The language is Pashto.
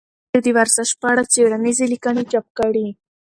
ازادي راډیو د ورزش په اړه څېړنیزې لیکنې چاپ کړي.